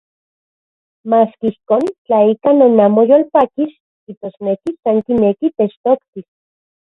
Maski ijkon, tla ika non amo yolpakis, kijtosneki san kineki techtoktis.